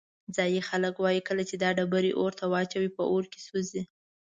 ځایی خلک وایي کله چې دا ډبرې اور ته واچوې په اور کې سوځي.